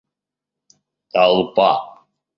толпа